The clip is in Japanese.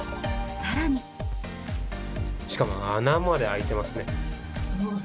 しかも穴まで開いてますね。